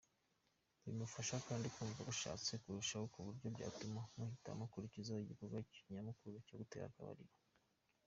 Bimufasha kandi kumva agushatse kurushaho kuburyo byatuma muhita mukurikizaho igikorwa nyamukuru cyo gutera akabariro.